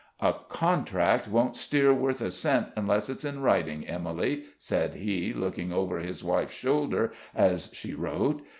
"A contract won't steer worth a cent unless it's in writing, Emily," said he, looking over his wife's shoulder as she wrote.